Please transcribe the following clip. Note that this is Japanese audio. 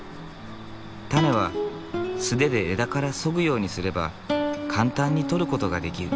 種は素手で枝からそぐようにすれば簡単に取ることができる。